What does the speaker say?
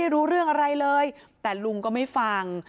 เฮ้ยแต่ลุงก็ไม่ฟัง